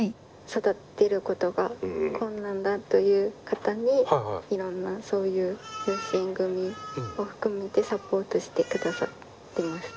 育てることが困難だという方にいろんなそういう養子縁組を含めてサポートしてくださってます。